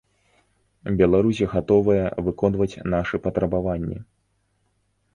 Беларусь гатовая выконваць нашы патрабаванні.